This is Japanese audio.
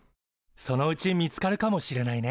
そのうち見つかるかもしれないね。